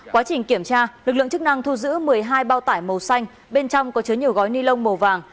quá trình kiểm tra lực lượng chức năng thu giữ một mươi hai bao tải màu xanh bên trong có chứa nhiều gói ni lông màu vàng